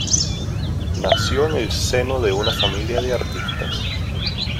Nació en el seno de una familia de artistas.